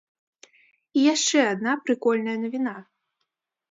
І яшчэ адна прыкольная навіна.